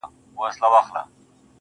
په دې حالاتو کي خو دا کيږي هغه ،نه کيږي.